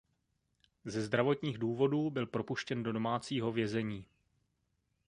Ze zdravotních důvodů byl propuštěn do domácího vězení.